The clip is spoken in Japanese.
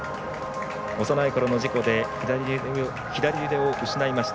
幼いころの事故で左腕を失いました。